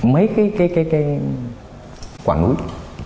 mấy cái quả núi